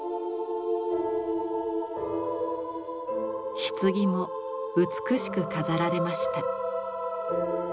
棺も美しく飾られました。